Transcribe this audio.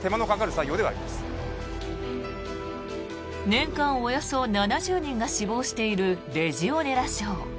年間およそ７０人が死亡しているレジオネラ症。